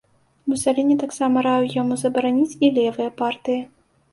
Мусаліні таксама раіў яму забараніць і левыя партыі.